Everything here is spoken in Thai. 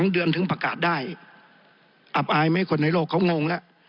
เดือนถึงประกาศได้อับอายไม่ให้คนในโลกเขางงแล้ว